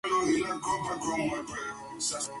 La idea terminó siendo aprobada.